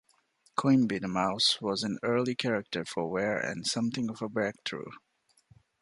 Quimby the Mouse was an early character for Ware and something of a breakthrough.